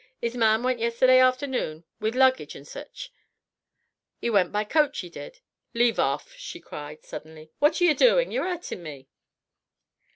'Is man went yesterday afternoon with luggage and sich ... 'e went by coach 'e did.... Leave off," she cried suddenly; "what are ye doin'? Ye're 'urtin' me."